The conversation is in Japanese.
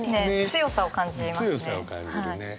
強さを感じるね。